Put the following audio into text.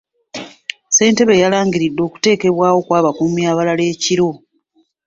Ssentebe yalangiridde okuteekebwa kw'abakuumi abalala ekiro.